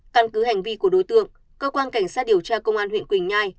căn cứ hành vi của đối tượng cơ quan cảnh sát điều tra công an huyện quỳnh nhai